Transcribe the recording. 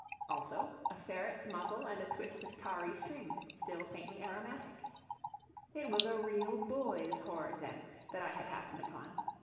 Also, a ferret's muzzle, and a twist of tarry string, still faintly aromatic. It was a real boy's hoard, then, that I had happened upon.